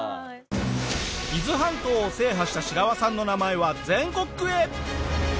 伊豆半島を制覇したシラワさんの名前は全国区へ。